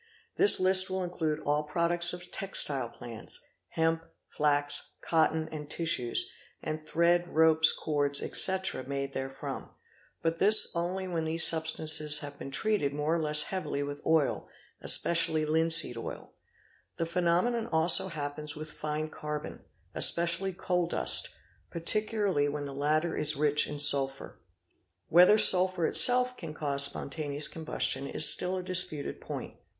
This list will include all products of textile plants,—hemp, flax, cotton, and tissues, and thread, ropes, cords, etc., made therefrom ; but this only when these substances have been treated more or less heavily with oil, especially linseed oil "8", The phenomenon also happens with fine carbon, especially coal dust, particularly when the latter is rich in sulphur. Whether sulphur itself can cause spontaneous combustion is still a disputed point.